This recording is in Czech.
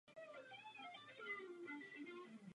V jeho službách putoval přes Francii a Itálii až do Palerma.